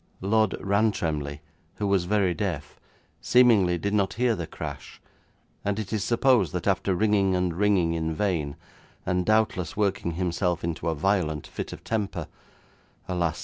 Lord Rantremly, who was very deaf, seemingly did not hear the crash, and it is supposed that after ringing and ringing in vain, and doubtless working himself into a violent fit of temper alas!